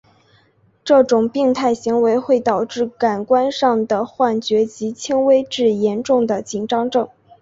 这种病态行为会导致感官上的幻觉及轻微至严重的紧张症。